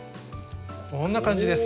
こんな感じです。